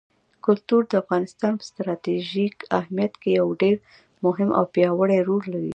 کلتور د افغانستان په ستراتیژیک اهمیت کې یو ډېر مهم او پیاوړی رول لري.